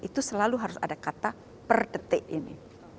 itu selalu harus ada kata per detik ini